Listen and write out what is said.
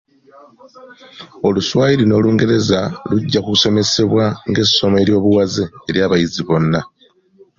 Oluswayiri n’Olungereza lujja ku somesebwa nga essomo eryo buwaze eri abayizi bonna.